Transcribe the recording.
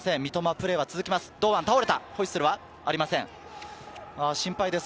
プレーは続きます。